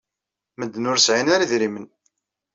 Medden ur sɛin ara idrimen.